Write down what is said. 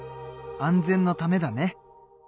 安全のためだね。